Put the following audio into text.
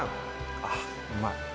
あぁ、うまい。